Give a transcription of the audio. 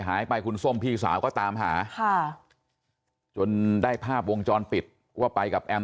หายไปคุณส้มพี่สาวก็ตามหาค่ะจนได้ภาพวงจรปิดว่าไปกับแอม